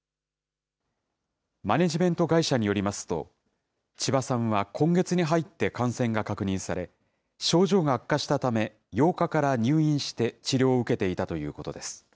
マネジメント会社によりますと、千葉さんは今月に入って感染が確認され、症状が悪化したため、８日から入院して治療を受けていたということです。